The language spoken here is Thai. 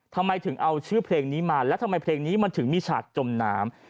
ทำไมถึงเอาชื่อเพลงนี้มาแล้วทำไมเพลงนี้มันถึงมีฉากจมน้ำ